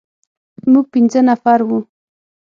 موږ پنځه نفر وو.